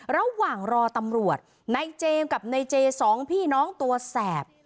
ระหว่างรอตำรวจนายเจมส์กับนายเจสองพี่น้องตัวแสบ